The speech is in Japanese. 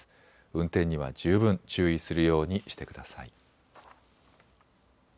運転には十分注意するようにしてください。